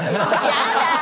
やだ！